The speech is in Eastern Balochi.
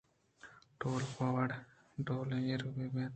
ٹوال پہ وڑ ءُڈول ءَ ایر بہ بنت